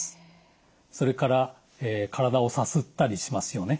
それから体をさすったりしますよね。